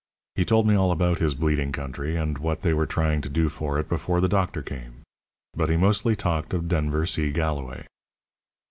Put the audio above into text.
He told me all about his bleeding country, and what they were trying to do for it before the doctor came. But he mostly talked of Denver C. Galloway.